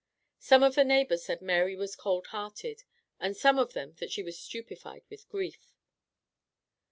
Some of the neighbors said Mary was cold hearted, and some of them that she was stupefied with grief.